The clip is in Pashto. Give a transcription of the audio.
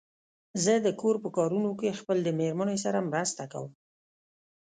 زه د کور په کارونو کې خپل د مېرمن سره مرسته کوم.